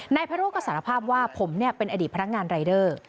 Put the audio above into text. นายพระโรธก็สารภาพว่าผมเป็นอดีตพนักงานรายเดอร์